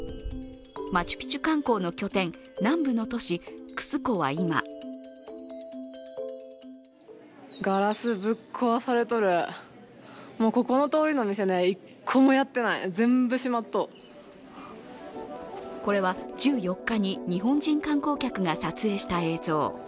マチュピチュ観光の拠点、南部の都市、クスコは今これは１４日に日本人観光客が撮影した映像。